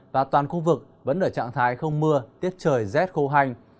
và toàn khu vực vẫn ở trạng thái không mưa tiết trời rét khô hành